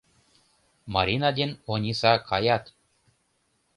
Марина ден Ониса каят.